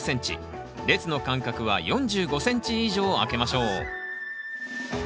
列の間隔は４５ｃｍ以上空けましょう。